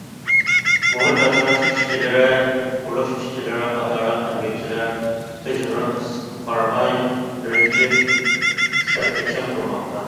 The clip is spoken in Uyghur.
مۇھىت ئاسراش ئىشچىلىرى، قۇرۇلۇش ئىشچىلىرى قاتارلىق ئەمگەكچىلەر پىژغىرىم ئىسسىققا قارىماي، بىرىنچى سەپتە چىڭ تۇرماقتا.